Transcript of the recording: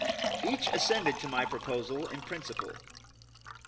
Each assented to my proposal in principle.